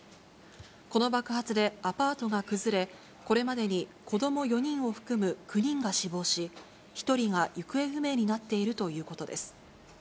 この爆発でアパートが崩れ、これまでに子ども４人を含む９人が死亡し、１人が行方不明になっているということです。